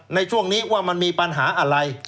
ในช่วงนี้ว่ามันมีปัญหาอะไร